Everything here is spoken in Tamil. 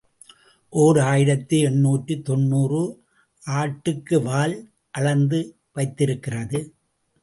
ஓர் ஆயிரத்து எண்ணூற்று தொன்னூறு ஆட்டுக்கு வால் அளந்து வைத்திருக்கிறது